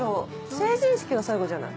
成人式が最後じゃない？